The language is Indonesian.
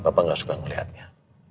papa gak suka melihatnya